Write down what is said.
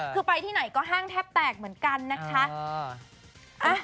คือไปที่ไหนก็ห้างแทบแตกเหมือนกันนะคะ